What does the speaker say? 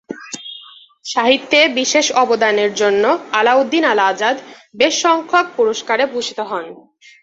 সাহিত্যে বিশেষ অবদানের জন্য আলাউদ্দিন আল আজাদ বেশসংখ্যক পুরস্কারে ভূষিত হন।